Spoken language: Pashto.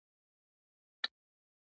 هره جمله په نقطه پای ته رسیدلې ده.